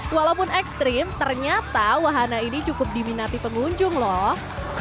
walaupun ekstrim ternyata wahana ini cukup diminati pengunjung loh